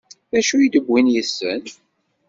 D acu i d-wwin yid-sen?